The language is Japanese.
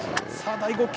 第５球。